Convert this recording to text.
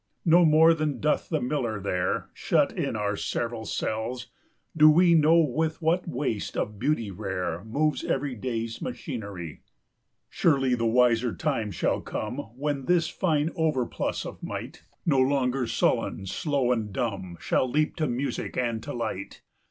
] No more than doth the miller there, Shut in our several cells, do we Know with what waste of beauty rare Moves every day's machinery. 40 Surely the wiser time shall come When this fine overplus of might, No longer sullen, slow, and dumb, Shall leap to music and to light.